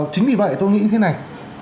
chính vì vậy tôi nghĩ thế này